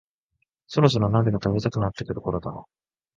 そろそろ鍋が食べたくなってくるころだな